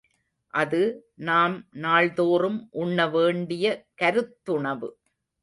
அது நாம் நாள்தோறும் உண்ண வேண்டிய கருத்துணவு.